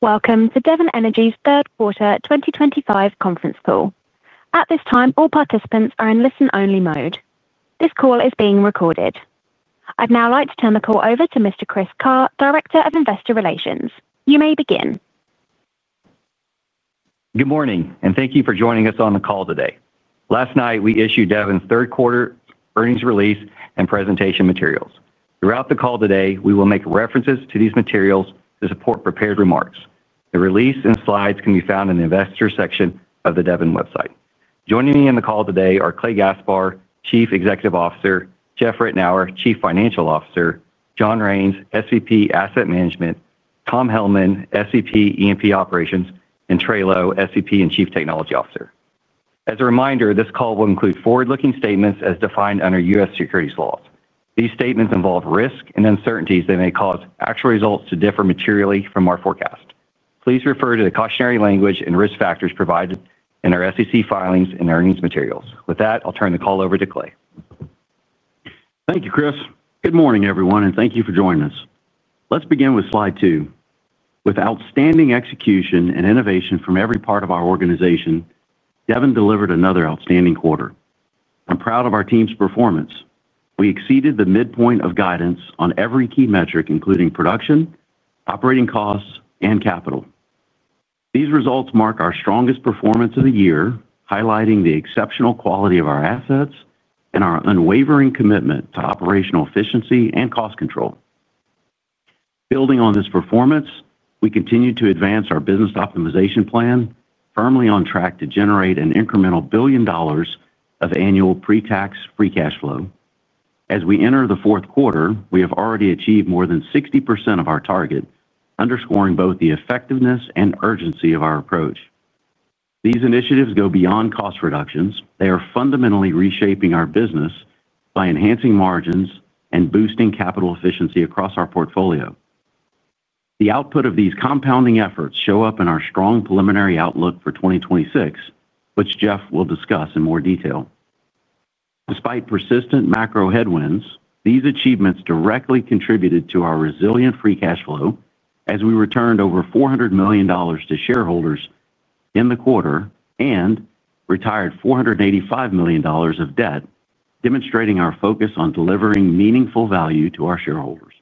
Welcome to Devon Energy's third quarter 2025 conference call. At this time, all participants are in listen-only mode. This call is being recorded. I'd now like to turn the call over to Mr. Chris Kirt, Director of Investor Relations. You may begin. Good morning, and thank you for joining us on the call today. Last night, we issued Devon's third quarter earnings release and presentation materials. Throughout the call today, we will make references to these materials to support prepared remarks. The release and slides can be found in the investor section of the Devon website. Joining me on the call today are Clay Gaspar, Chief Executive Officer; Jeff Ritenour, Chief Financial Officer; John Raines, SVP Asset Management; Tom Hellman, SVP E&P Operations; and Trey Lowe, SVP and Chief Technology Officer. As a reminder, this call will include forward-looking statements as defined under U.S. securities laws. These statements involve risk and uncertainties that may cause actual results to differ materially from our forecast. Please refer to the cautionary language and risk factors provided in our SEC filings and earnings materials. With that, I'll turn the call over to Clay. Thank you, Chris. Good morning, everyone, and thank you for joining us. Let's begin with slide two. With outstanding execution and innovation from every part of our organization, Devon delivered another outstanding quarter. I'm proud of our team's performance. We exceeded the midpoint of guidance on every key metric, including production, operating costs, and capital. These results mark our strongest performance of the year, highlighting the exceptional quality of our assets and our unwavering commitment to operational efficiency and cost control. Building on this performance, we continue to advance our business optimization plan, firmly on track to generate an incremental $1 billion of annual pre-tax free cash flow. As we enter the fourth quarter, we have already achieved more than 60% of our target, underscoring both the effectiveness and urgency of our approach. These initiatives go beyond cost reductions. They are fundamentally reshaping our business. By enhancing margins and boosting capital efficiency across our portfolio. The output of these compounding efforts shows up in our strong preliminary outlook for 2026, which Jeff will discuss in more detail. Despite persistent macro headwinds, these achievements directly contributed to our resilient free cash flow as we returned over $400 million to shareholders in the quarter and retired $485 million of debt, demonstrating our focus on delivering meaningful value to our shareholders.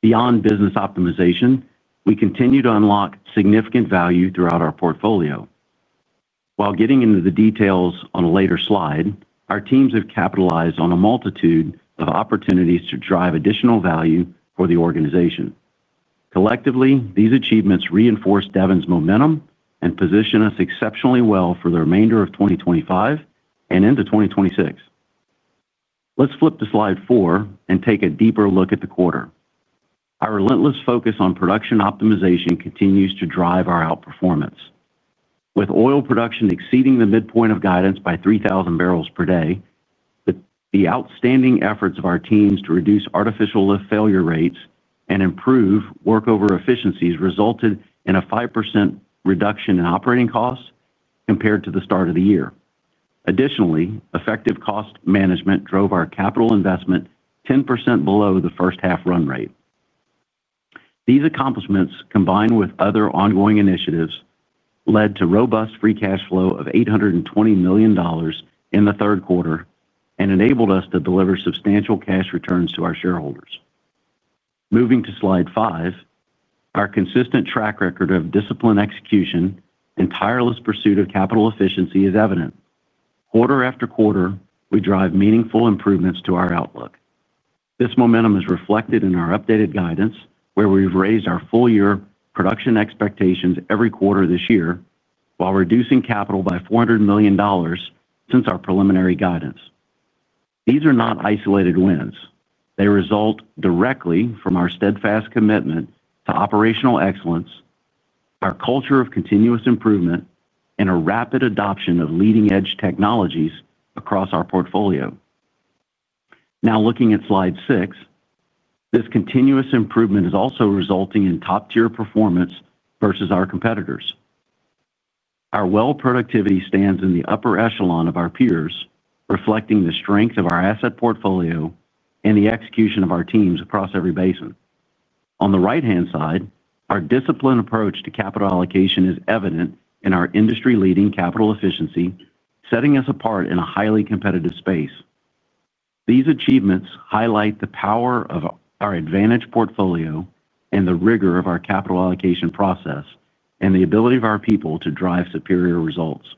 Beyond business optimization, we continue to unlock significant value throughout our portfolio. While getting into the details on a later slide, our teams have capitalized on a multitude of opportunities to drive additional value for the organization. Collectively, these achievements reinforce Devon's momentum and position us exceptionally well for the remainder of 2025 and into 2026. Let's flip to slide four and take a deeper look at the quarter. Our relentless focus on production optimization continues to drive our outperformance, with oil production exceeding the midpoint of guidance by 3,000 barrels per day. The outstanding efforts of our teams to reduce artificial lift failure rates and improve workover efficiencies resulted in a 5% reduction in operating costs compared to the start of the year. Additionally, effective cost management drove our capital investment 10% below the first-half run rate. These accomplishments, combined with other ongoing initiatives, led to robust free cash flow of $820 million in the third quarter and enabled us to deliver substantial cash returns to our shareholders. Moving to slide five, our consistent track record of disciplined execution and tireless pursuit of capital efficiency is evident. Quarter after quarter, we drive meaningful improvements to our outlook. This momentum is reflected in our updated guidance, where we've raised our full-year production expectations every quarter this year while reducing capital by $400 million since our preliminary guidance. These are not isolated wins. They result directly from our steadfast commitment to operational excellence, our culture of continuous improvement, and a rapid adoption of leading-edge technologies across our portfolio. Now, looking at slide six, this continuous improvement is also resulting in top-tier performance versus our competitors. Our well productivity stands in the upper echelon of our peers, reflecting the strength of our asset portfolio and the execution of our teams across every basin. On the right-hand side, our disciplined approach to capital allocation is evident in our industry-leading capital efficiency, setting us apart in a highly competitive space. These achievements highlight the power of our advantaged portfolio and the rigor of our capital allocation process. The ability of our people to drive superior results is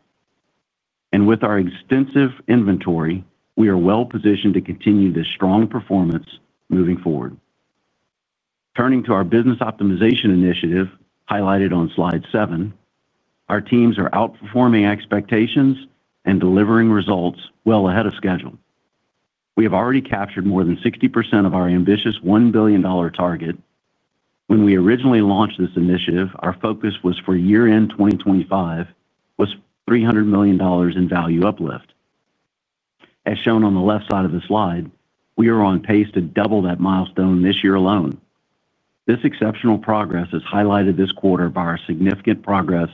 clear. With our extensive inventory, we are well positioned to continue this strong performance moving forward. Turning to our business optimization initiative highlighted on slide seven, our teams are outperforming expectations and delivering results well ahead of schedule. We have already captured more than 60% of our ambitious $1 billion target. When we originally launched this initiative, our focus for year-end 2025 was $300 million in value uplift. As shown on the left side of the slide, we are on pace to double that milestone this year alone. This exceptional progress is highlighted this quarter by our significant progress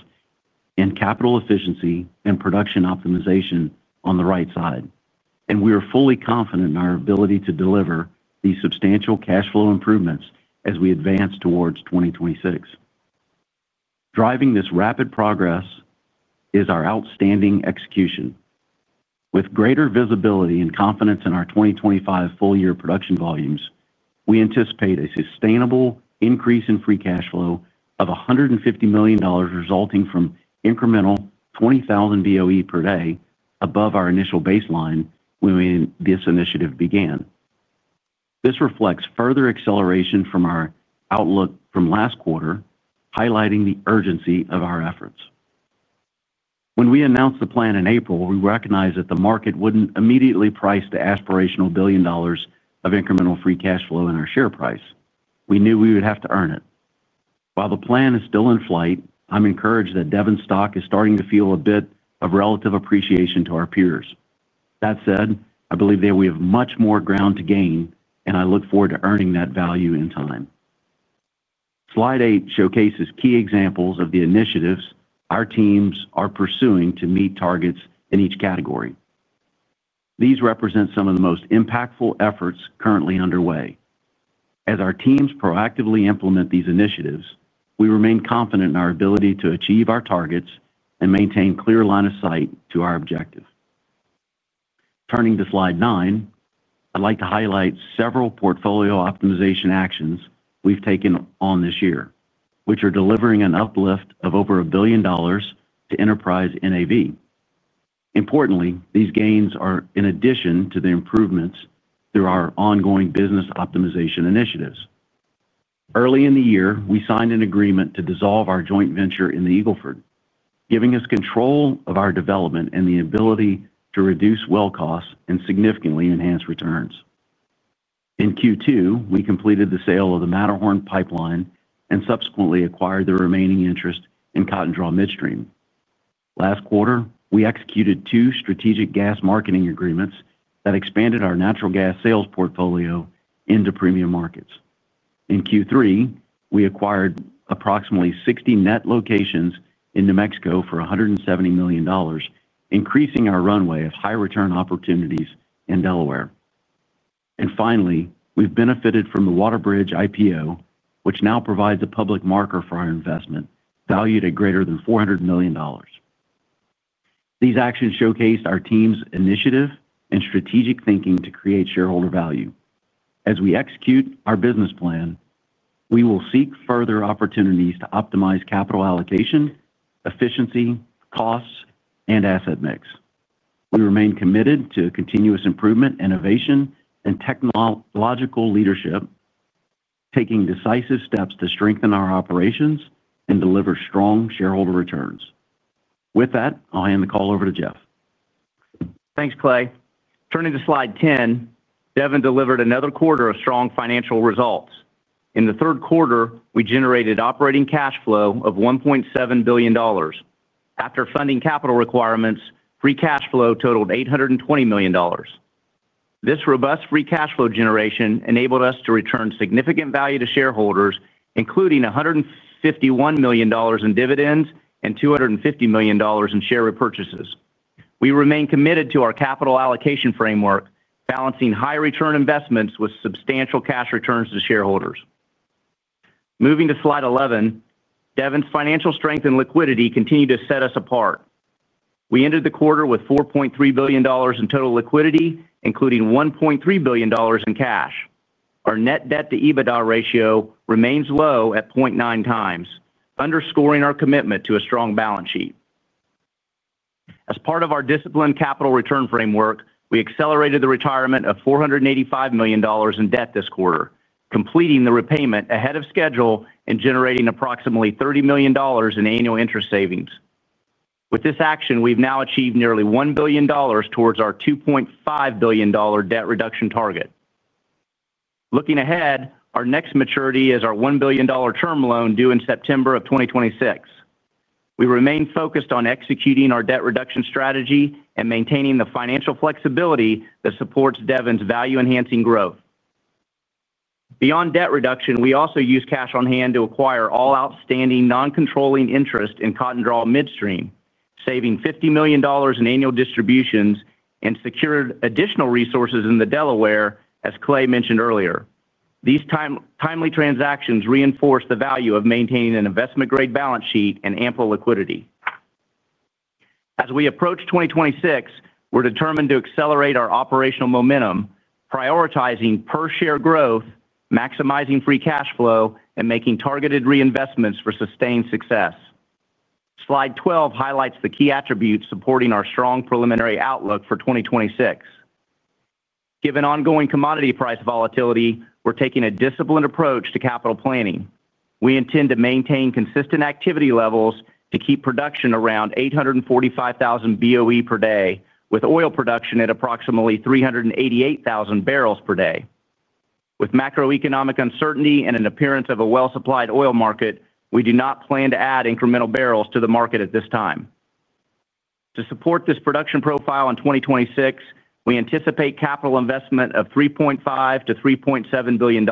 in capital efficiency and production optimization on the right side. We are fully confident in our ability to deliver these substantial cash flow improvements as we advance towards 2026. Driving this rapid progress is our outstanding execution. With greater visibility and confidence in our 2025 full-year production volumes, we anticipate a sustainable increase in free cash flow of $150 million, resulting from incremental 20,000 BOE per day above our initial baseline when this initiative began. This reflects further acceleration from our outlook from last quarter, highlighting the urgency of our efforts. When we announced the plan in April, we recognized that the market would not immediately price the aspirational billion dollars of incremental free cash flow in our share price. We knew we would have to earn it. While the plan is still in flight, I'm encouraged that Devon's stock is starting to feel a bit of relative appreciation to our peers. That said, I believe that we have much more ground to gain, and I look forward to earning that value in time. Slide eight showcases key examples of the initiatives our teams are pursuing to meet targets in each category. These represent some of the most impactful efforts currently underway. As our teams proactively implement these initiatives, we remain confident in our ability to achieve our targets and maintain a clear line of sight to our objective. Turning to slide nine, I'd like to highlight several portfolio optimization actions we've taken on this year, which are delivering an uplift of over $1 billion to enterprise NAV. Importantly, these gains are in addition to the improvements through our ongoing business optimization initiatives. Early in the year, we signed an agreement to dissolve our joint venture in the Eagle Ford, giving us control of our development and the ability to reduce well costs and significantly enhance returns. In Q2, we completed the sale of the Matterhorn pipeline and subsequently acquired the remaining interest in Cotton Draw Midstream. Last quarter, we executed two strategic gas marketing agreements that expanded our natural gas sales portfolio into premium markets. In Q3, we acquired approximately 60 net locations in New Mexico for $170 million, increasing our runway of high-return opportunities in Delaware. Finally, we've benefited from the Waterbridge IPO, which now provides a public marker for our investment valued at greater than $400 million. These actions showcased our team's initiative and strategic thinking to create shareholder value. As we execute our business plan, we will seek further opportunities to optimize capital allocation, efficiency, costs, and asset mix. We remain committed to continuous improvement, innovation, and technological leadership, taking decisive steps to strengthen our operations and deliver strong shareholder returns. With that, I'll hand the call over to Jeff. Thanks, Clay. Turning to slide 10, Devon delivered another quarter of strong financial results. In the third quarter, we generated operating cash flow of $1.7 billion. After funding capital requirements, free cash flow totaled $820 million. This robust free cash flow generation enabled us to return significant value to shareholders, including $151 million in dividends and $250 million in share repurchases. We remain committed to our capital allocation framework, balancing high-return investments with substantial cash returns to shareholders. Moving to slide 11, Devon's financial strength and liquidity continue to set us apart. We ended the quarter with $4.3 billion in total liquidity, including $1.3 billion in cash. Our net debt-to-EBITDA ratio remains low at 0.9 times, underscoring our commitment to a strong balance sheet. As part of our disciplined capital return framework, we accelerated the retirement of $485 million in debt this quarter, completing the repayment ahead of schedule and generating approximately $30 million in annual interest savings. With this action, we've now achieved nearly $1 billion towards our $2.5 billion debt reduction target. Looking ahead, our next maturity is our $1 billion term loan due in September of 2026. We remain focused on executing our debt reduction strategy and maintaining the financial flexibility that supports Devon's value-enhancing growth. Beyond debt reduction, we also used cash on hand to acquire all outstanding non-controlling interest in Cotton Draw Midstream, saving $50 million in annual distributions and secured additional resources in Delaware, as Clay mentioned earlier. These timely transactions reinforce the value of maintaining an investment-grade balance sheet and ample liquidity. As we approach 2026, we're determined to accelerate our operational momentum, prioritizing per-share growth, maximizing free cash flow, and making targeted reinvestments for sustained success. Slide 12 highlights the key attributes supporting our strong preliminary outlook for 2026. Given ongoing commodity price volatility, we're taking a disciplined approach to capital planning. We intend to maintain consistent activity levels to keep production around 845,000 BOE per day, with oil production at approximately 388,000 bbl per day. With macroeconomic uncertainty and an appearance of a well-supplied oil market, we do not plan to add incremental barrels to the market at this time. To support this production profile in 2026, we anticipate capital investment of $3.5 billion-$3.7 billion.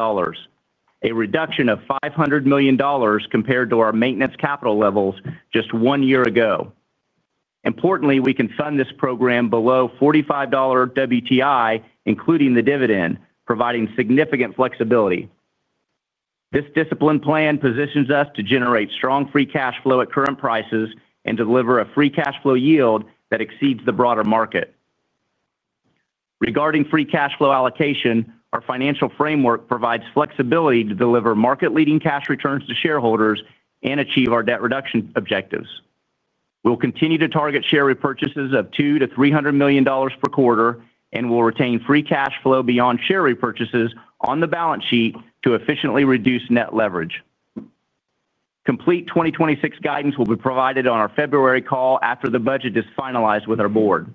A reduction of $500 million compared to our maintenance capital levels just one year ago. Importantly, we can fund this program below $45 WTI, including the dividend, providing significant flexibility. This disciplined plan positions us to generate strong free cash flow at current prices and deliver a free cash flow yield that exceeds the broader market. Regarding free cash flow allocation, our financial framework provides flexibility to deliver market-leading cash returns to shareholders and achieve our debt reduction objectives. We'll continue to target share repurchases of $200 million-$300 million per quarter and will retain free cash flow beyond share repurchases on the balance sheet to efficiently reduce net leverage. Complete 2026 guidance will be provided on our February call after the budget is finalized with our board.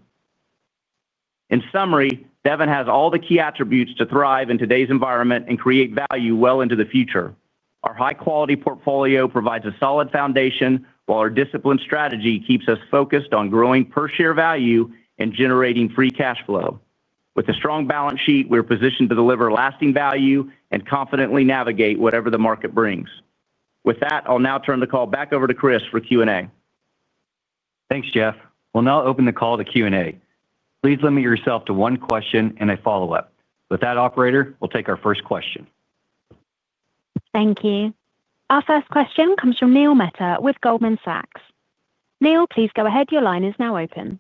In summary, Devon has all the key attributes to thrive in today's environment and create value well into the future. Our high-quality portfolio provides a solid foundation while our disciplined strategy keeps us focused on growing per-share value and generating free cash flow. With a strong balance sheet, we're positioned to deliver lasting value and confidently navigate whatever the market brings. With that, I'll now turn the call back over to Chris for Q&A. Thanks, Jeff. We'll now open the call to Q&A. Please limit yourself to one question and a follow-up. With that, Operator, we'll take our first question. Thank you. Our first question comes from Neil Mehta with Goldman Sachs. Neil, please go ahead. Your line is now open.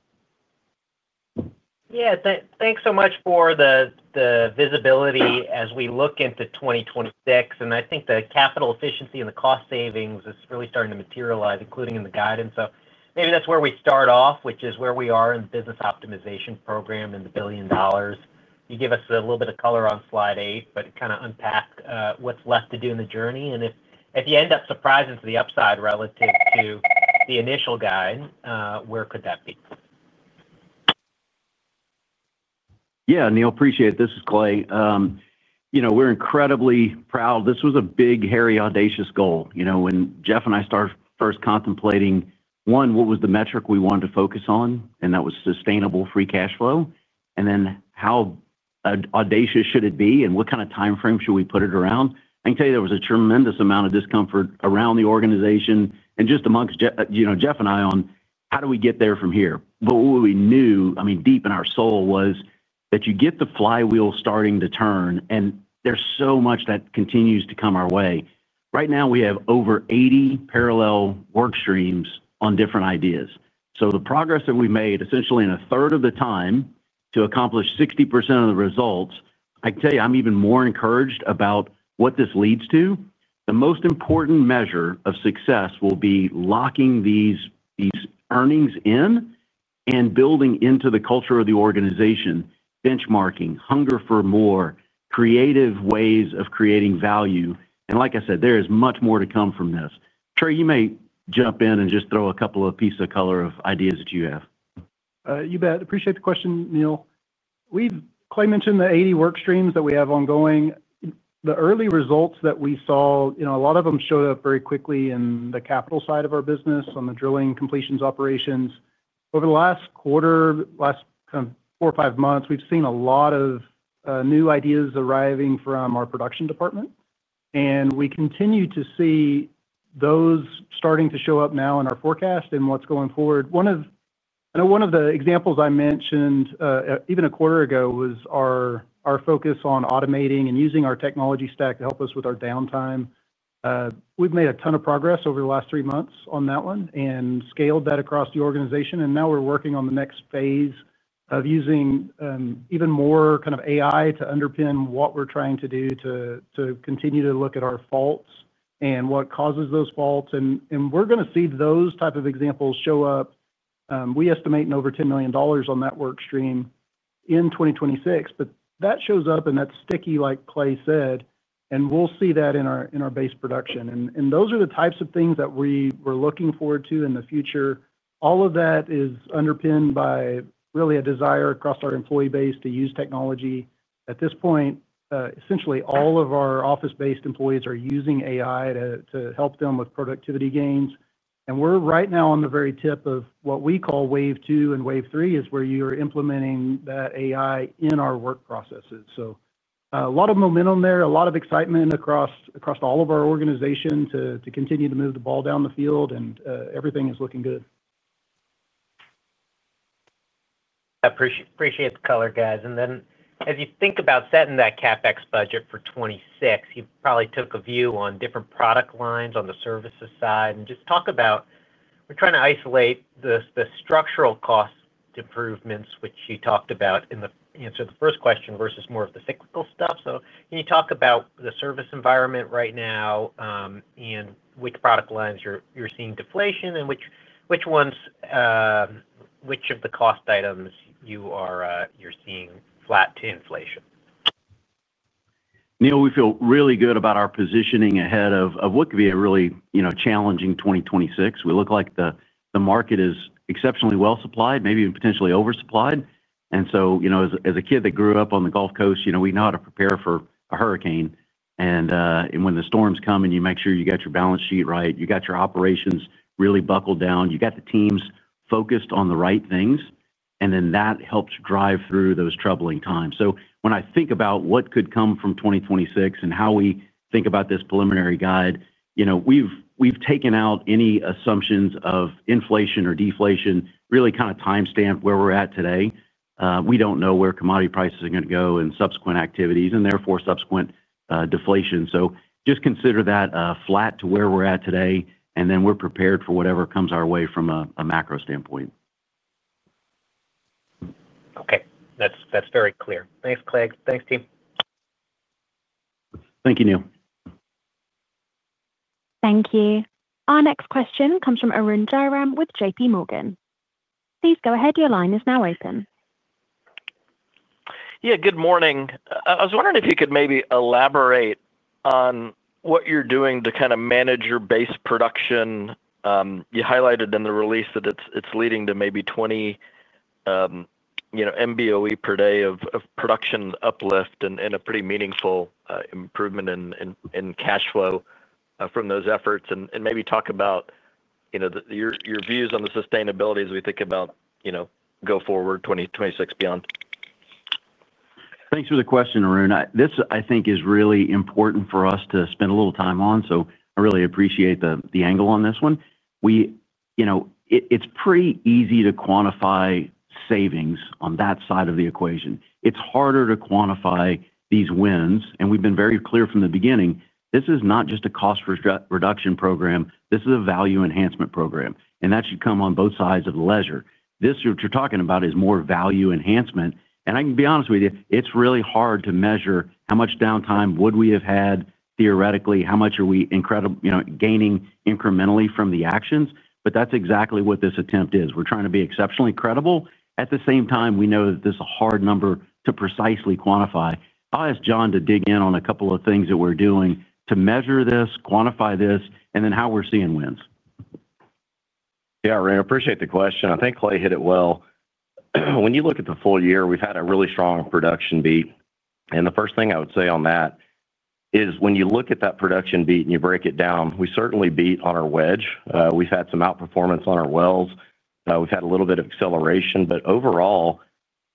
Yeah, thanks so much for the visibility as we look into 2026. I think the capital efficiency and the cost savings is really starting to materialize, including in the guidance. Maybe that's where we start off, which is where we are in the business optimization program and the billion dollars. You give us a little bit of color on slide eight, but kind of unpack what's left to do in the journey. If you end up surprising to the upside relative to the initial guide, where could that be? Yeah, Neil, appreciate it. This is Clay. We're incredibly proud. This was a big, hairy, audacious goal. When Jeff and I started first contemplating, one, what was the metric we wanted to focus on? That was sustainable free cash flow. Then how audacious should it be? What kind of timeframe should we put it around? I can tell you there was a tremendous amount of discomfort around the organization and just amongst Jeff and I on how do we get there from here? What we knew, I mean, deep in our soul was that you get the flywheel starting to turn, and there's so much that continues to come our way. Right now, we have over 80 parallel workstreams on different ideas. The progress that we've made, essentially in a third of the time to accomplish 60% of the results, I can tell you I'm even more encouraged about what this leads to. The most important measure of success will be locking these earnings in and building into the culture of the organization, benchmarking, hunger for more, creative ways of creating value. Like I said, there is much more to come from this. Trey, you may jump in and just throw a couple of pieces of color of ideas that you have. You bet. Appreciate the question, Neil. Clay mentioned the 80 workstreams that we have ongoing. The early results that we saw, a lot of them showed up very quickly in the capital side of our business on the drilling completions operations. Over the last quarter, last kind of four or five months, we've seen a lot of new ideas arriving from our production department. We continue to see those starting to show up now in our forecast and what's going forward. I know one of the examples I mentioned even a quarter ago was our focus on automating and using our technology stack to help us with our downtime. We've made a ton of progress over the last three months on that one and scaled that across the organization. We're working on the next phase of using even more kind of AI to underpin what we're trying to do to continue to look at our faults and what causes those faults. We're going to see those type of examples show up. We estimate in over $10 million on that workstream in 2026. That shows up, and that's sticky, like Clay said, and we'll see that in our base production. Those are the types of things that we were looking forward to in the future. All of that is underpinned by really a desire across our employee base to use technology. At this point, essentially all of our office-based employees are using AI to help them with productivity gains. We are right now on the very tip of what we call wave two, and wave three is where you are implementing that AI in our work processes. A lot of momentum there, a lot of excitement across all of our organization to continue to move the ball down the field, and everything is looking good. I appreciate the color, guys. As you think about setting that CapEx budget for 2026, you probably took a view on different product lines on the services side. Just talk about, we're trying to isolate the structural cost improvements, which you talked about in the answer to the first question, versus more of the cyclical stuff. Can you talk about the service environment right now, and which product lines you're seeing deflation and which of the cost items you're seeing flat to inflation? Neil, we feel really good about our positioning ahead of what could be a really challenging 2026. We look like the market is exceptionally well supplied, maybe even potentially oversupplied. As a kid that grew up on the Gulf Coast, we know how to prepare for a hurricane. When the storms come, you make sure you got your balance sheet right, you got your operations really buckled down, you got the teams focused on the right things, and that helps drive through those troubling times. When I think about what could come from 2026 and how we think about this preliminary guide, we've taken out any assumptions of inflation or deflation, really kind of timestamped where we're at today. We do not know where commodity prices are going to go and subsequent activities and therefore subsequent deflation. Just consider that flat to where we're at today, and then we're prepared for whatever comes our way from a macro standpoint. Okay. That's very clear. Thanks, Clay. Thanks, team. Thank you, Neil. Thank you. Our next question comes from Arun Jayaram with J.P. Morgan. Please go ahead. Your line is now open. Yeah, good morning. I was wondering if you could maybe elaborate on what you're doing to kind of manage your base production. You highlighted in the release that it's leading to maybe 20 MBOE per day of production uplift and a pretty meaningful improvement in cash flow from those efforts. Maybe talk about your views on the sustainability as we think about go forward 2026 beyond. Thanks for the question, Arun. This, I think, is really important for us to spend a little time on. I really appreciate the angle on this one. It's pretty easy to quantify savings on that side of the equation. It's harder to quantify these wins. We've been very clear from the beginning, this is not just a cost reduction program. This is a value enhancement program. That should come on both sides of the ledger. What you're talking about is more value enhancement. I can be honest with you, it's really hard to measure how much downtime would we have had theoretically, how much are we gaining incrementally from the actions. That's exactly what this attempt is. We're trying to be exceptionally credible. At the same time, we know that this is a hard number to precisely quantify. I'll ask John to dig in on a couple of things that we're doing to measure this, quantify this, and then how we're seeing wins. Yeah, Arun, I appreciate the question. I think Clay hit it well. When you look at the full year, we've had a really strong production beat. The first thing I would say on that is when you look at that production beat and you break it down, we certainly beat on our wedge. We've had some outperformance on our wells. We've had a little bit of acceleration. Overall,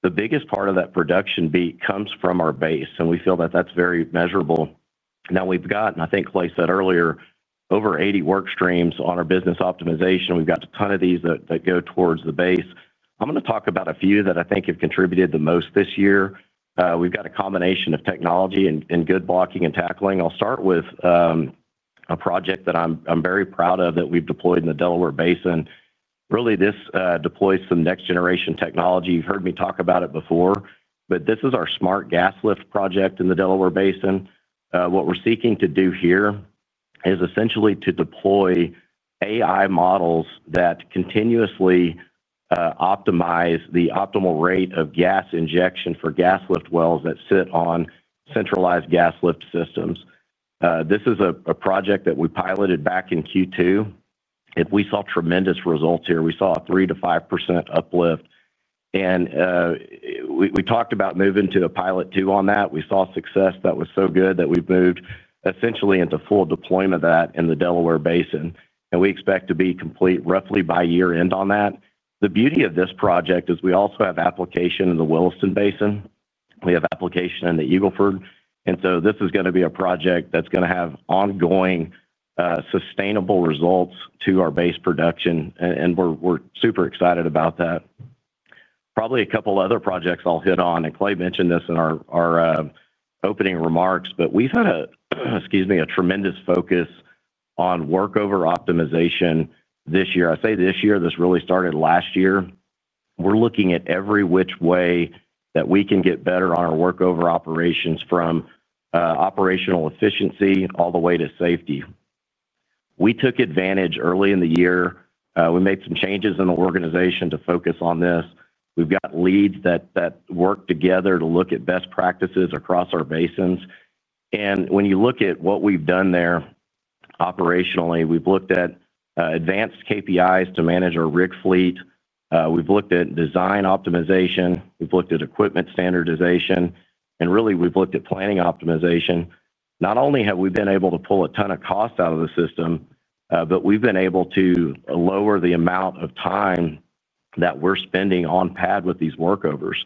the biggest part of that production beat comes from our base. We feel that that's very measurable. Now, we've got, and I think Clay said earlier, over 80 workstreams on our business optimization. We've got a ton of these that go towards the base. I'm going to talk about a few that I think have contributed the most this year. We've got a combination of technology and good blocking and tackling. I'll start with. A project that I'm very proud of that we've deployed in the Delaware Basin. Really, this deploys some next-generation technology. You've heard me talk about it before. This is our smart gas lift project in the Delaware Basin. What we're seeking to do here is essentially to deploy AI models that continuously optimize the optimal rate of gas injection for gas lift wells that sit on centralized gas lift systems. This is a project that we piloted back in Q2. We saw tremendous results here. We saw a 3%-5% uplift. We talked about moving to a pilot two on that. We saw success that was so good that we've moved essentially into full deployment of that in the Delaware Basin. We expect to be complete roughly by year-end on that. The beauty of this project is we also have application in the Williston Basin. We have application in the Eagle Ford. This is going to be a project that's going to have ongoing, sustainable results to our base production. We're super excited about that. Probably a couple of other projects I'll hit on. Clay mentioned this in our opening remarks. We've had a tremendous focus on workover optimization this year. I say this year, this really started last year. We're looking at every which way that we can get better on our workover operations from operational efficiency all the way to safety. We took advantage early in the year. We made some changes in the organization to focus on this. We've got leads that work together to look at best practices across our basins. When you look at what we've done there, operationally, we've looked at advanced KPIs to manage our rig fleet. We've looked at design optimization. We've looked at equipment standardization. Really, we've looked at planning optimization. Not only have we been able to pull a ton of cost out of the system, but we've been able to lower the amount of time that we're spending on pad with these workovers.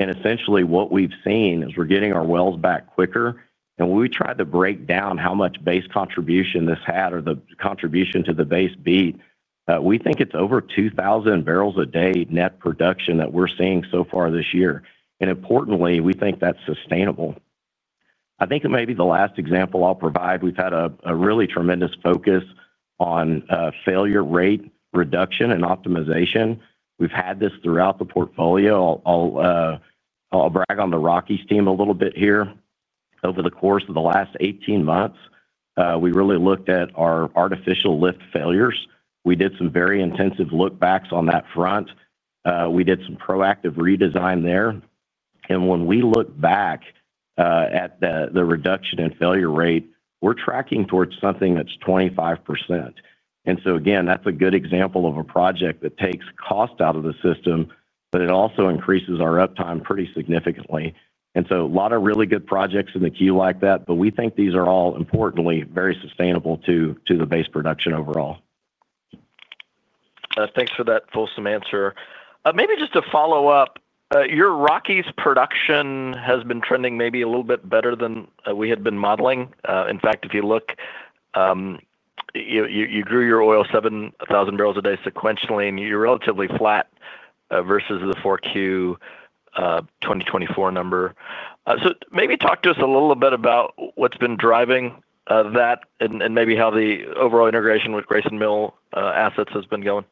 Essentially, what we've seen is we're getting our wells back quicker. When we tried to break down how much base contribution this had or the contribution to the base beat, we think it's over 2,000 barrels a day net production that we're seeing so far this year. Importantly, we think that's sustainable. I think it may be the last example I'll provide. We've had a really tremendous focus on failure rate reduction and optimization. We've had this throughout the portfolio. I'll brag on the Rockies team a little bit here. Over the course of the last 18 months, we really looked at our artificial lift failures. We did some very intensive look-backs on that front. We did some proactive redesign there. When we look back at the reduction in failure rate, we're tracking towards something that's 25%. That is a good example of a project that takes cost out of the system, but it also increases our uptime pretty significantly. A lot of really good projects in the queue like that. We think these are all, importantly, very sustainable to the base production overall. Thanks for that fulsome answer. Maybe just to follow up, your Rockies production has been trending maybe a little bit better than we had been modeling. In fact, if you look, you grew your oil 7,000 bbl a day sequentially, and you're relatively flat versus the fourth quarter 2024 number. So maybe talk to us a little bit about what's been driving that and maybe how the overall integration with Grayson Mill assets has been going.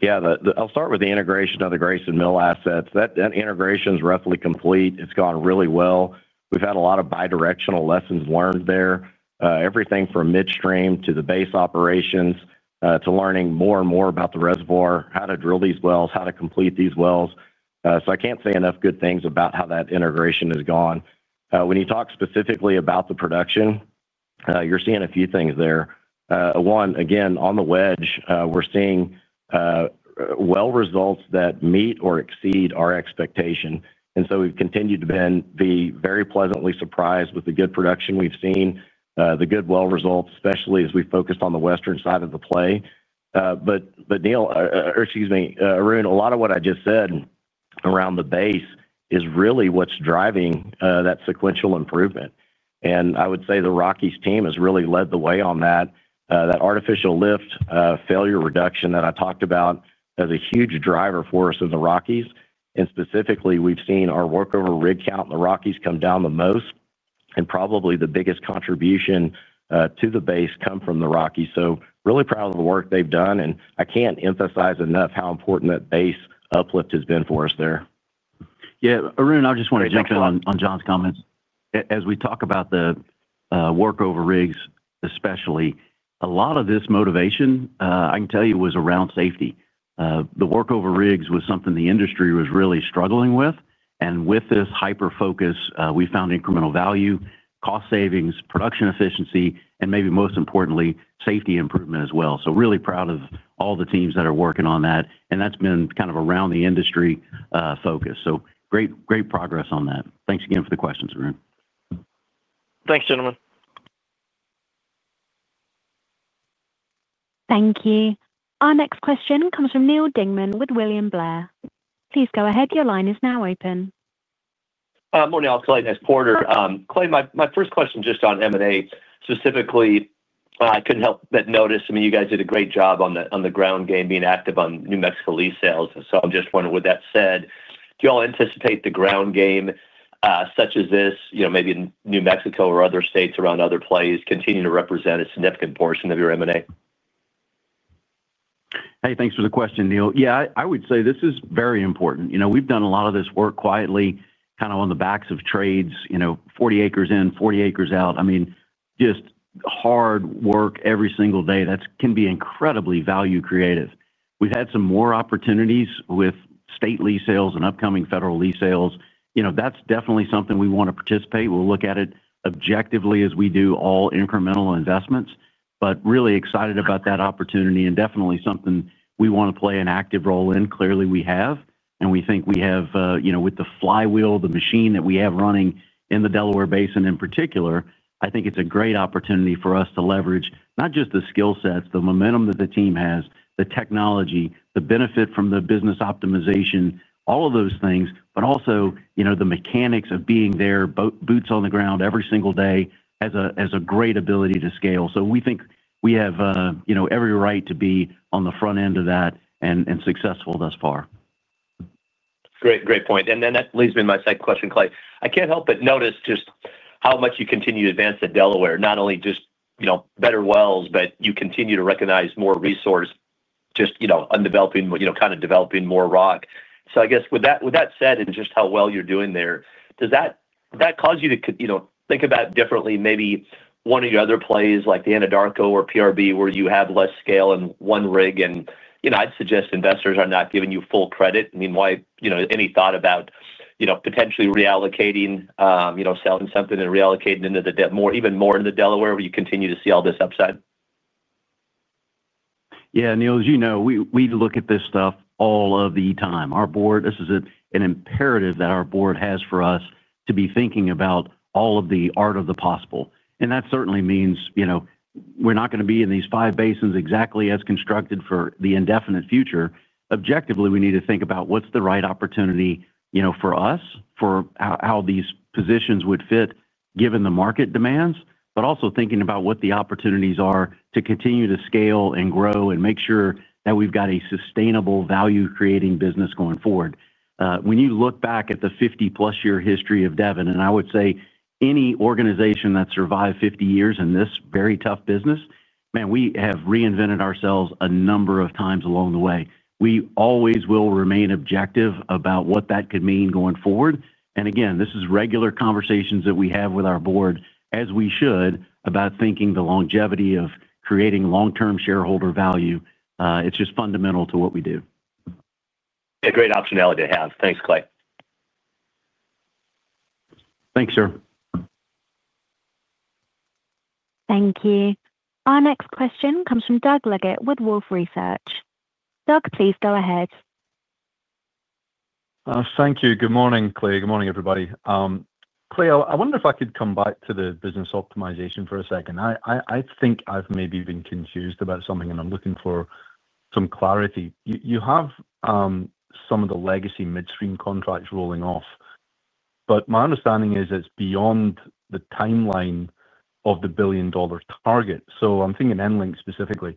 Yeah, I'll start with the integration of the Grayson Mill assets. That integration is roughly complete. It's gone really well. We've had a lot of bidirectional lessons learned there, everything from midstream to the base operations to learning more and more about the reservoir, how to drill these wells, how to complete these wells. I can't say enough good things about how that integration has gone. When you talk specifically about the production, you're seeing a few things there. One, again, on the wedge, we're seeing well results that meet or exceed our expectation. We've continued to be very pleasantly surprised with the good production we've seen, the good well results, especially as we focused on the western side of the play. Neil, or excuse me, Arun, a lot of what I just said around the base is really what's driving that sequential improvement. I would say the Rockies team has really led the way on that. That artificial lift failure reduction that I talked about is a huge driver for us in the Rockies. Specifically, we've seen our workover rig count in the Rockies come down the most. Probably the biggest contribution to the base has come from the Rockies. Really proud of the work they've done. I can't emphasize enough how important that base uplift has been for us there. Yeah, Arun, I just want to jump in on John's comments. As we talk about the workover rigs especially, a lot of this motivation, I can tell you, was around safety. The workover rigs was something the industry was really struggling with. With this hyper-focus, we found incremental value, cost savings, production efficiency, and maybe most importantly, safety improvement as well. Really proud of all the teams that are working on that. That has been kind of around the industry focus. Great progress on that. Thanks again for the questions, Arun. Thanks, gentlemen. Thank you. Our next question comes from Neal Dingmann with William Blair. Please go ahead. Your line is now open. Morning, Clayton. That's Porter. Clay, my first question just on M&A specifically, I couldn't help but notice, I mean, you guys did a great job on the ground game being active on New Mexico lease sales. I am just wondering, with that said, do you all anticipate the ground game, such as this, maybe in New Mexico or other states around other plays, continue to represent a significant portion of your M&A? Hey, thanks for the question, Neal. Yeah, I would say this is very important. We've done a lot of this work quietly, kind of on the backs of trades, 40 acres in, 40 acres out. I mean, just hard work every single day that can be incredibly value creative. We've had some more opportunities with state lease sales and upcoming federal lease sales. That's definitely something we want to participate. We'll look at it objectively as we do all incremental investments, but really excited about that opportunity and definitely something we want to play an active role in. Clearly, we have. We think we have, with the flywheel, the machine that we have running in the Delaware Basin in particular, I think it's a great opportunity for us to leverage not just the skill sets, the momentum that the team has, the technology, the benefit from the business optimization, all of those things, but also the mechanics of being there, boots on the ground every single day as a great ability to scale. We think we have every right to be on the front end of that and successful thus far. Great, great point. That leads me to my second question, Clay. I cannot help but notice just how much you continue to advance at Delaware, not only just better wells, but you continue to recognize more resource, just kind of developing more rock. I guess with that said, and just how well you are doing there, does that cause you to think about differently maybe one of your other plays, like the Anadarko or PRB, where you have less scale and one rig? I would suggest investors are not giving you full credit. I mean, why any thought about potentially reallocating, selling something and reallocating into the debt more, even more into Delaware, where you continue to see all this upside? Yeah, Neal, as you know, we look at this stuff all of the time. Our board, this is an imperative that our board has for us to be thinking about all of the art of the possible. That certainly means we're not going to be in these five basins exactly as constructed for the indefinite future. Objectively, we need to think about what's the right opportunity for us, for how these positions would fit given the market demands, but also thinking about what the opportunities are to continue to scale and grow and make sure that we've got a sustainable value-creating business going forward. When you look back at the 50+ year history of Devon, and I would say any organization that survived 50 years in this very tough business, man, we have reinvented ourselves a number of times along the way. We always will remain objective about what that could mean going forward. Again, this is regular conversations that we have with our board, as we should, about thinking the longevity of creating long-term shareholder value. It's just fundamental to what we do. Yeah, great optionality to have. Thanks, Clay. Thanks, sir. Thank you. Our next question comes from Doug Leggett with Wolf Research. Doug, please go ahead. Thank you. Good morning, Clay. Good morning, everybody. Clay, I wonder if I could come back to the business optimization for a second. I think I've maybe been confused about something, and I'm looking for some clarity. You have some of the legacy midstream contracts rolling off. But my understanding is it's beyond the timeline of the billion-dollar target. I'm thinking EnLink specifically.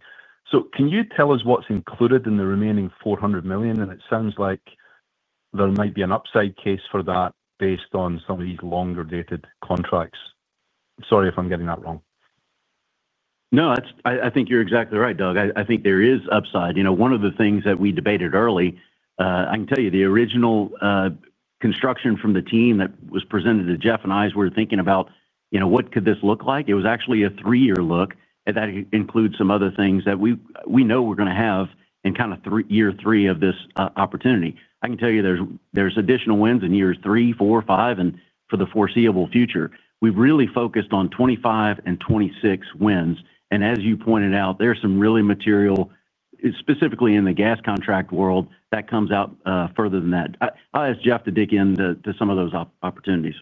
Can you tell us what's included in the remaining $400 million? It sounds like there might be an upside case for that based on some of these longer-dated contracts. Sorry if I'm getting that wrong. No, I think you're exactly right, Doug. I think there is upside. One of the things that we debated early, I can tell you the original construction from the team that was presented to Jeff and I as we were thinking about what could this look like. It was actually a three-year look that includes some other things that we know we're going to have in kind of year three of this opportunity. I can tell you there's additional wins in years three, four, five, and for the foreseeable future. We've really focused on 2025 and 2026 wins. As you pointed out, there's some really material, specifically in the gas contract world, that comes out further than that. I'll ask Jeff to dig into some of those opportunities.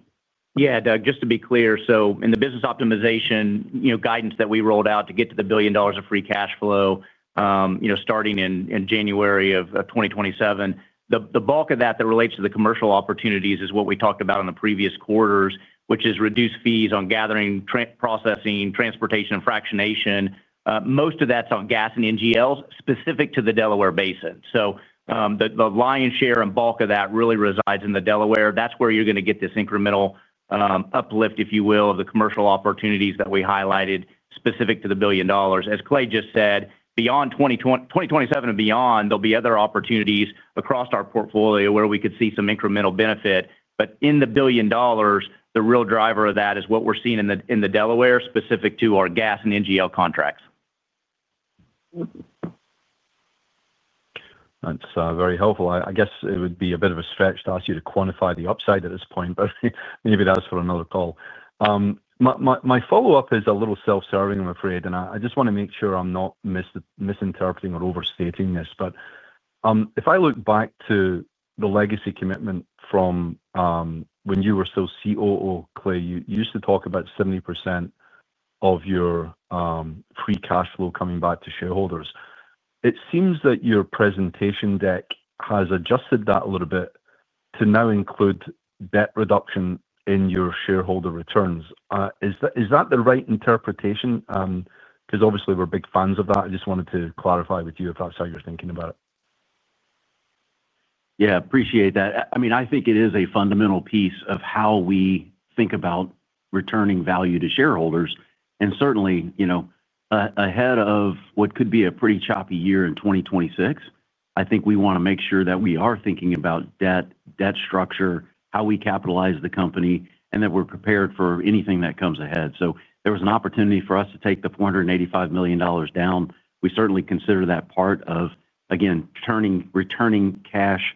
Yeah, Doug, just to be clear, in the business optimization guidance that we rolled out to get to the $1 billion of free cash flow starting in January of 2027, the bulk of that that relates to the commercial opportunities is what we talked about in the previous quarters, which is reduced fees on gathering, processing, transportation, and fractionation. Most of that's on gas and NGLs specific to the Delaware Basin. The lion's share and bulk of that really resides in the Delaware. That's where you're going to get this incremental uplift, if you will, of the commercial opportunities that we highlighted specific to the $1 billion. As Clay just said, beyond 2027 and beyond, there'll be other opportunities across our portfolio where we could see some incremental benefit. In the billion dollars, the real driver of that is what we are seeing in the Delaware specific to our gas and NGL contracts. That's very helpful. I guess it would be a bit of a stretch to ask you to quantify the upside at this point, but maybe that's for another call. My follow-up is a little self-serving, I'm afraid, and I just want to make sure I'm not misinterpreting or overstating this. If I look back to the legacy commitment from when you were still COO, Clay, you used to talk about 70% of your free cash flow coming back to shareholders. It seems that your presentation deck has adjusted that a little bit to now include debt reduction in your shareholder returns. Is that the right interpretation? Because obviously, we're big fans of that. I just wanted to clarify with you if that's how you're thinking about it. Yeah, I appreciate that. I mean, I think it is a fundamental piece of how we think about returning value to shareholders. And certainly, ahead of what could be a pretty choppy year in 2026, I think we want to make sure that we are thinking about debt, debt structure, how we capitalize the company, and that we're prepared for anything that comes ahead. There was an opportunity for us to take the $485 million down. We certainly consider that part of, again, returning cash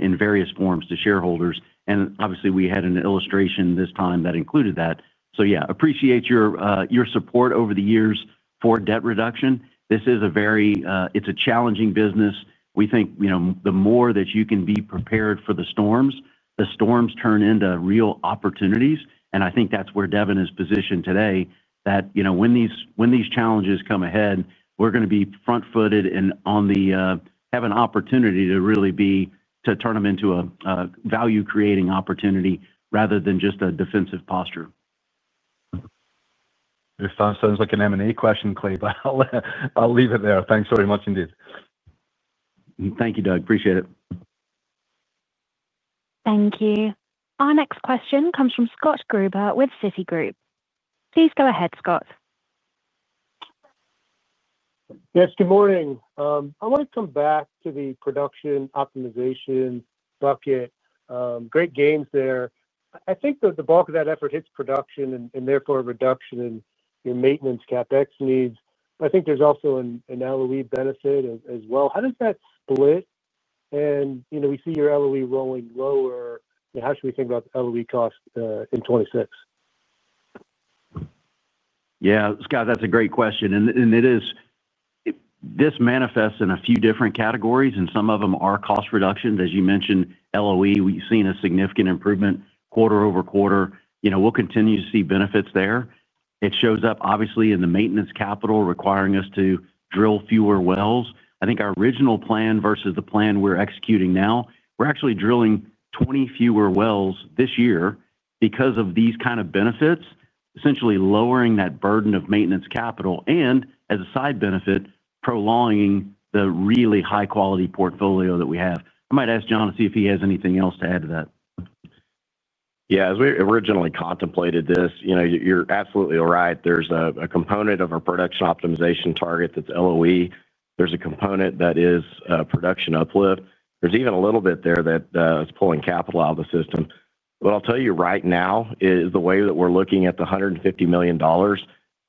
in various forms to shareholders. Obviously, we had an illustration this time that included that. Yeah, appreciate your support over the years for debt reduction. This is a very—it's a challenging business. We think the more that you can be prepared for the storms, the storms turn into real opportunities. I think that's where Devon is positioned today, that when these challenges come ahead, we're going to be front-footed and have an opportunity to really turn them into a value-creating opportunity rather than just a defensive posture. This sounds like an M&A question, Clay, but I'll leave it there. Thanks very much indeed. Thank you, Doug. Appreciate it. Thank you. Our next question comes from Scott Gruber with Citigroup. Please go ahead, Scott. Yes, good morning. I want to come back to the production optimization bucket. Great gains there. I think the bulk of that effort hits production and therefore reduction in your maintenance CapEx needs. I think there's also an LOE benefit as well. How does that split? We see your LOE rolling lower. How should we think about the LOE cost in 2026? Yeah, Scott, that's a great question. This manifests in a few different categories, and some of them are cost reductions. As you mentioned, LOE, we've seen a significant improvement quarter-over-quarter. We'll continue to see benefits there. It shows up, obviously, in the maintenance capital requiring us to drill fewer wells. I think our original plan versus the plan we're executing now, we're actually drilling 20 fewer wells this year because of these kind of benefits, essentially lowering that burden of maintenance capital. As a side benefit, prolonging the really high-quality portfolio that we have. I might ask John to see if he has anything else to add to that. Yeah, as we originally contemplated this, you're absolutely right. There's a component of our production optimization target that's LOE. There's a component that is production uplift. There's even a little bit there that is pulling capital out of the system. What I'll tell you right now is the way that we're looking at the $150 million.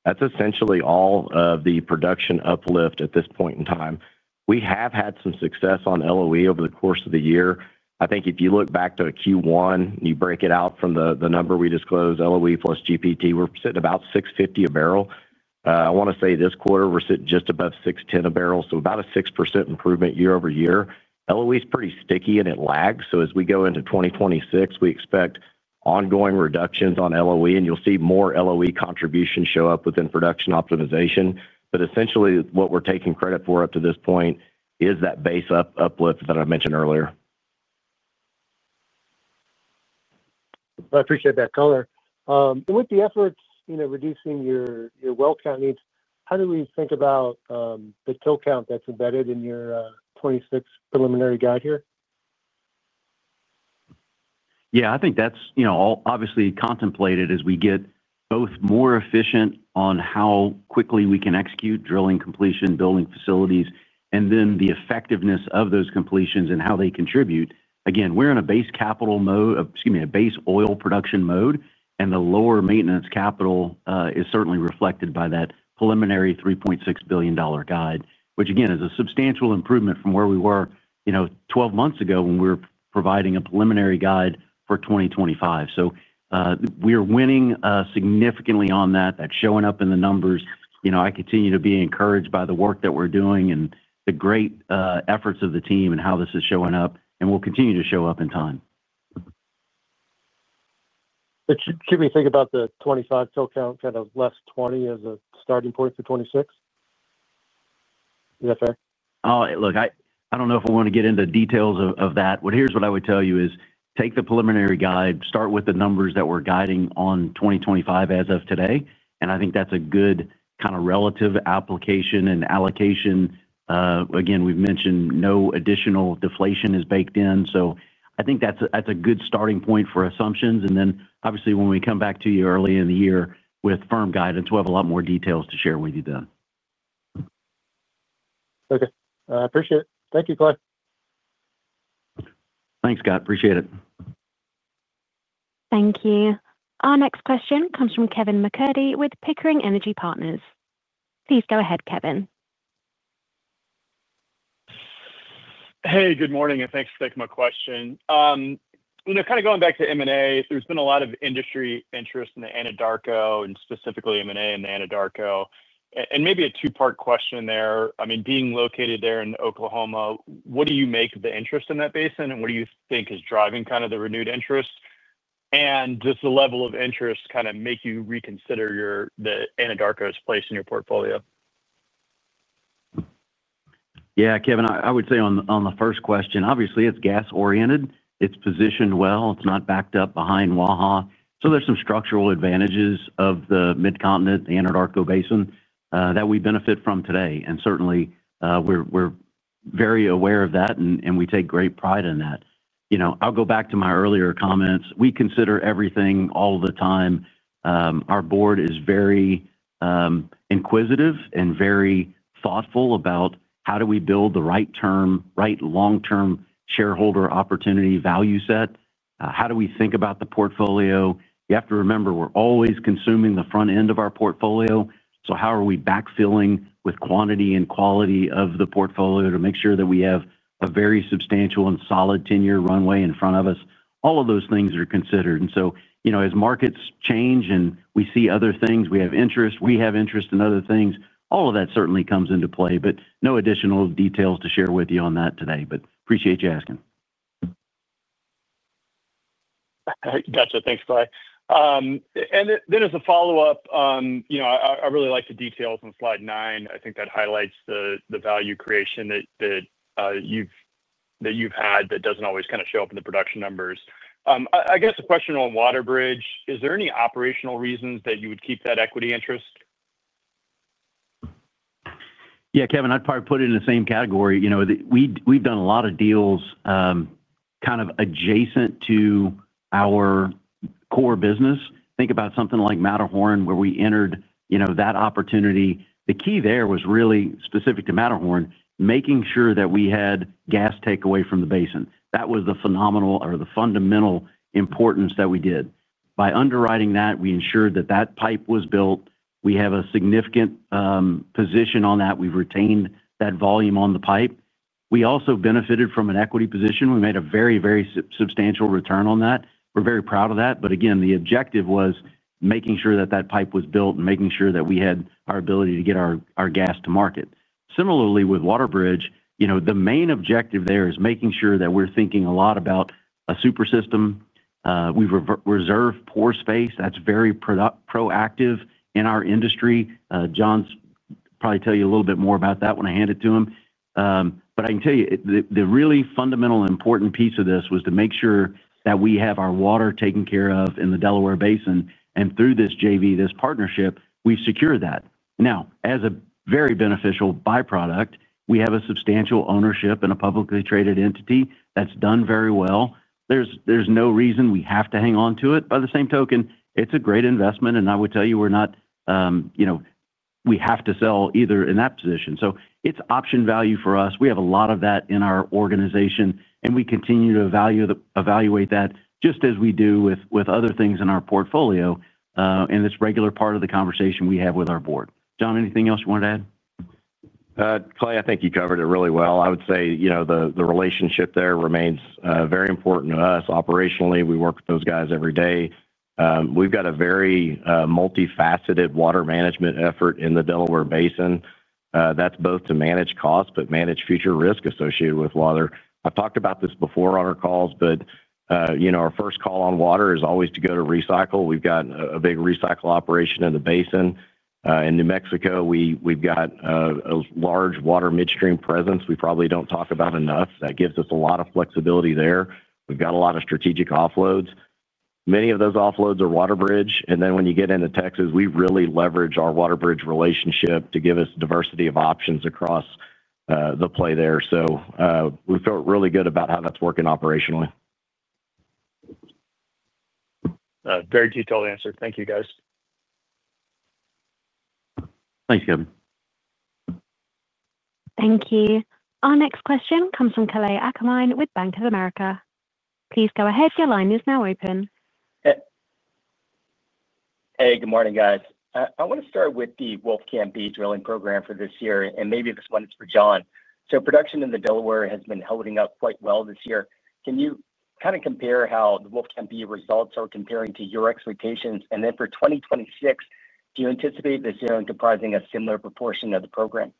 That's essentially all of the production uplift at this point in time. We have had some success on LOE over the course of the year. I think if you look back to Q1, you break it out from the number we disclosed, LOE plus GPT, we're sitting about $6.50 a barrel. I want to say this quarter, we're sitting just above $6.10 a barrel, so about a 6% improvement year-over-year. LOE is pretty sticky and it lags. As we go into 2026, we expect ongoing reductions on LOE, and you'll see more LOE contributions show up within production optimization. Essentially, what we're taking credit for up to this point is that base uplift that I mentioned earlier. I appreciate that, Clay. With the efforts reducing your well count, how do we think about the till count that's embedded in your 2026 preliminary guide here? Yeah, I think that's obviously contemplated as we get both more efficient on how quickly we can execute drilling completion, building facilities, and then the effectiveness of those completions and how they contribute. Again, we're in a base capital mode, excuse me, a base oil production mode, and the lower maintenance capital is certainly reflected by that preliminary $3.6 billion guide, which, again, is a substantial improvement from where we were 12 months ago when we were providing a preliminary guide for 2025. We are winning significantly on that. That's showing up in the numbers. I continue to be encouraged by the work that we're doing and the great efforts of the team and how this is showing up, and will continue to show up in time. Should we think about the 2025 till count kind of less 20 as a starting point for 2026? Is that fair? Oh, look, I don't know if I want to get into details of that. But here's what I would tell you: take the preliminary guide, start with the numbers that we're guiding on 2025 as of today. And I think that's a good kind of relative application and allocation. Again, we've mentioned no additional deflation is baked in. So I think that's a good starting point for assumptions. And then, obviously, when we come back to you early in the year with firm guidance, we'll have a lot more details to share with you then. Okay. I appreciate it. Thank you, Clay. Thanks, Scott. Appreciate it. Thank you. Our next question comes from Kevin MacCurdy with Pickering Energy Partners. Please go ahead, Kevin. Hey, good morning, and thanks for taking my question. Kind of going back to M&A, there's been a lot of industry interest in the Anadarko and specifically M&A in the Anadarko. Maybe a two-part question there. I mean, being located there in Oklahoma, what do you make of the interest in that basin? What do you think is driving kind of the renewed interest? Does the level of interest kind of make you reconsider the Anadarko's place in your portfolio? Yeah, Kevin, I would say on the first question, obviously, it's gas-oriented. It's positioned well. It's not backed up behind Waha. There are some structural advantages of the Midcontinent Anadarko Basin that we benefit from today. Certainly, we're very aware of that, and we take great pride in that. I'll go back to my earlier comments. We consider everything all the time. Our board is very inquisitive and very thoughtful about how do we build the right term, right long-term shareholder opportunity value set. How do we think about the portfolio? You have to remember, we're always consuming the front end of our portfolio. How are we backfilling with quantity and quality of the portfolio to make sure that we have a very substantial and solid ten-year runway in front of us? All of those things are considered. As markets change and we see other things, we have interest, we have interest in other things. All of that certainly comes into play, but no additional details to share with you on that today. Appreciate you asking. Gotcha. Thanks, Clay. As a follow-up, I really like the details on slide nine. I think that highlights the value creation that you have had that does not always kind of show up in the production numbers. I guess the question on Waterbridge, is there any operational reasons that you would keep that equity interest? Yeah, Kevin, I'd probably put it in the same category. We've done a lot of deals, kind of adjacent to our core business. Think about something like Matterhorn, where we entered that opportunity. The key there was really specific to Matterhorn, making sure that we had gas takeaway from the basin. That was the fundamental importance that we did. By underwriting that, we ensured that that pipe was built. We have a significant position on that. We've retained that volume on the pipe. We also benefited from an equity position. We made a very, very substantial return on that. We're very proud of that. The objective was making sure that that pipe was built and making sure that we had our ability to get our gas to market. Similarly, with Waterbridge, the main objective there is making sure that we're thinking a lot about a super system. We've reserved pore space. That's very proactive in our industry. John's probably tell you a little bit more about that when I hand it to him. I can tell you, the really fundamental and important piece of this was to make sure that we have our water taken care of in the Delaware Basin. Through this JV, this partnership, we secure that. Now, as a very beneficial byproduct, we have a substantial ownership in a publicly traded entity that's done very well. There's no reason we have to hang on to it. By the same token, it's a great investment. I would tell you, we're not. We have to sell either in that position. It's option value for us. We have a lot of that in our organization, and we continue to evaluate that just as we do with other things in our portfolio and this is a regular part of the conversation we have with our board. John, anything else you want to add? Clay, I think you covered it really well. I would say the relationship there remains very important to us. Operationally, we work with those guys every day. We've got a very multifaceted water management effort in the Delaware Basin. That's both to manage costs, but manage future risk associated with water. I've talked about this before on our calls, but our first call on water is always to go to recycle. We've got a big recycle operation in the basin. In New Mexico, we've got a large water midstream presence we probably don't talk about enough. That gives us a lot of flexibility there. We've got a lot of strategic offloads. Many of those offloads are Waterbridge. When you get into Texas, we really leverage our Waterbridge relationship to give us diversity of options across the play there. We feel really good about how that's working operationally. Very detailed answer. Thank you, guys. Thanks, Kevin. Thank you. Our next question comes from Kalei Akamine with Bank of America. Please go ahead. Your line is now open. Hey, good morning, guys. I want to start with the Wolfcamp drilling program for this year, and maybe this one is for John. So production in the Delaware has been holding up quite well this year. Can you kind of compare how the Wolfcamp results are comparing to your expectations? And then for 2026, do you anticipate this year enterprising a similar proportion of the program?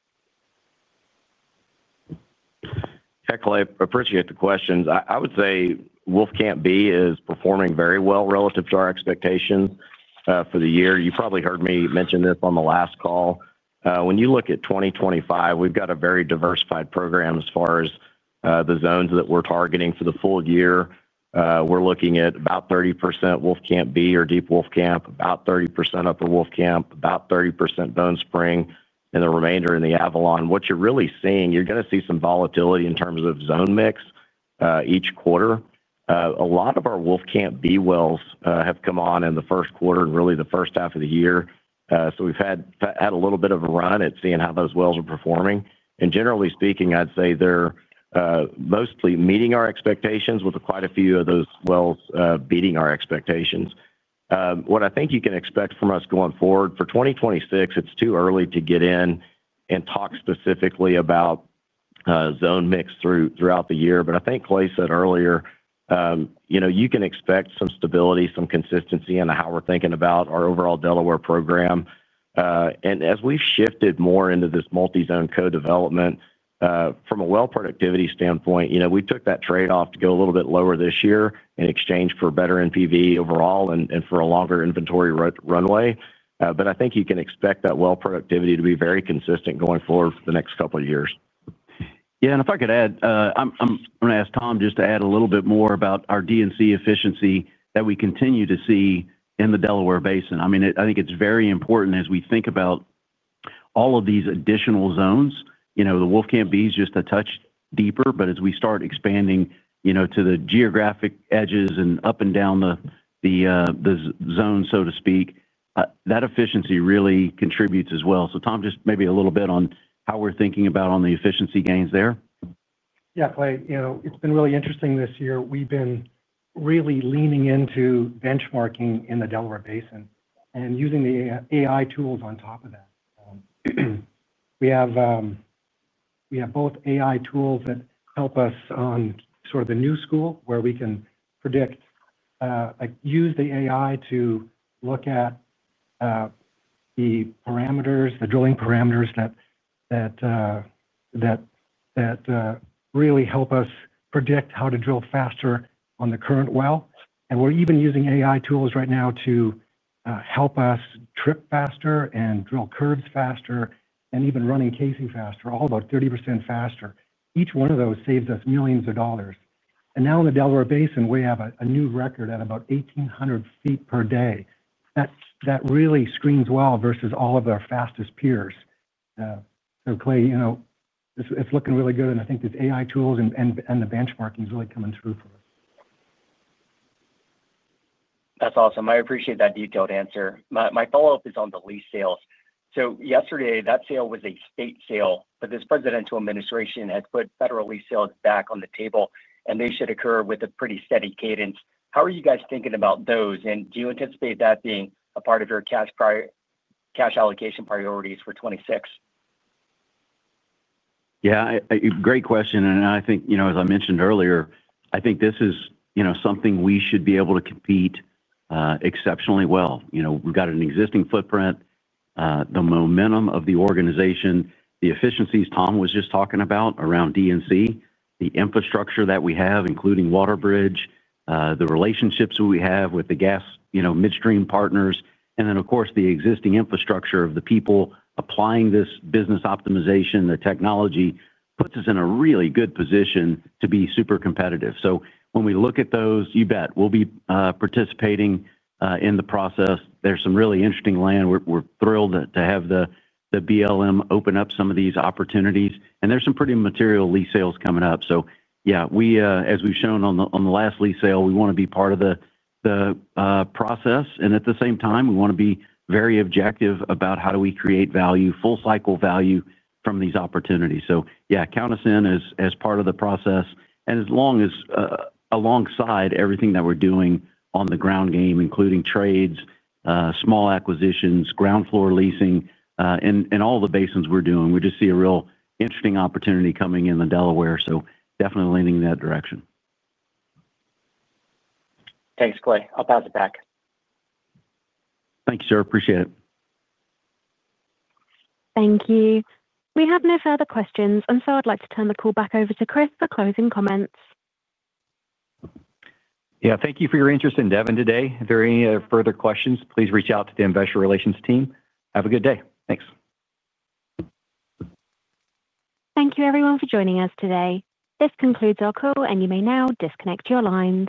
Yeah, Kalei I appreciate the questions. I would say Wolfcamp is performing very well relative to our expectations for the year. You probably heard me mention this on the last call. When you look at 2025, we've got a very diversified program as far as the zones that we're targeting for the full year. We're looking at about 30% Wolfcamp or Deep Wolfcamp, about 30% Upper Wolfcamp, about 30% Bone Spring, and the remainder in the Avalon. What you're really seeing, you're going to see some volatility in terms of zone mix each quarter. A lot of our Wolfcamp wells have come on in the first quarter and really the first half of the year. We've had a little bit of a run at seeing how those wells are performing. Generally speaking, I'd say they're mostly meeting our expectations with quite a few of those wells beating our expectations. What I think you can expect from us going forward for 2026, it's too early to get in and talk specifically about zone mix throughout the year. I think Clay said earlier you can expect some stability, some consistency in how we're thinking about our overall Delaware program. As we've shifted more into this multi-zone co-development, from a well productivity standpoint, we took that trade-off to go a little bit lower this year in exchange for better NPV overall and for a longer inventory runway. I think you can expect that well productivity to be very consistent going forward for the next couple of years. Yeah, and if I could add, I'm going to ask Tom just to add a little bit more about our D&C efficiency that we continue to see in the Delaware Basin. I mean, I think it's very important as we think about all of these additional zones. The Wolfcamp is just a touch deeper, but as we start expanding to the geographic edges and up and down the zone, so to speak, that efficiency really contributes as well. So Tom, just maybe a little bit on how we're thinking about the efficiency gains there. Yeah, Clay, it's been really interesting this year. We've been really leaning into benchmarking in the Delaware Basin and using the AI tools on top of that. We have both AI tools that help us on sort of the new school where we can predict, use the AI to look at the parameters, the drilling parameters that really help us predict how to drill faster on the current well. We're even using AI tools right now to help us trip faster and drill curves faster and even running casing faster, all about 30% faster. Each one of those saves us millions of dollars. Now in the Delaware Basin, we have a new record at about 1,800 ft per day. That really screams well versus all of our fastest peers. Clay, it's looking really good. I think these AI tools and the benchmarking is really coming through for us. That's awesome. I appreciate that detailed answer. My follow-up is on the lease sales. Yesterday, that sale was a state sale, but this presidential administration had put federal lease sales back on the table, and they should occur with a pretty steady cadence. How are you guys thinking about those? Do you anticipate that being a part of your cash allocation priorities for 2026? Yeah, great question. I think, as I mentioned earlier, I think this is something we should be able to compete exceptionally well. We've got an existing footprint. The momentum of the organization, the efficiencies Tom was just talking about around D&C, the infrastructure that we have, including Waterbridge, the relationships we have with the gas midstream partners, and then, of course, the existing infrastructure of the people applying this business optimization, the technology puts us in a really good position to be super competitive. When we look at those, you bet, we'll be participating in the process. There's some really interesting land. We're thrilled to have the BLM open up some of these opportunities. There's some pretty material lease sales coming up. Yeah, as we've shown on the last lease sale, we want to be part of the process. At the same time, we want to be very objective about how do we create value, full cycle value from these opportunities. Yeah, count us in as part of the process. As long as alongside everything that we're doing on the ground game, including trades, small acquisitions, ground floor leasing, and all the basins we're doing, we just see a real interesting opportunity coming in the Delaware. Definitely leaning in that direction. Thanks, Clay. I'll pass it back. Thank you, sir. Appreciate it. Thank you. We have no further questions. I would like to turn the call back over to Chris for closing comments. Yeah, thank you for your interest in Devon today. If there are any further questions, please reach out to the Investor Relations team. Have a good day. Thanks. Thank you, everyone, for joining us today. This concludes our call, and you may now disconnect your lines.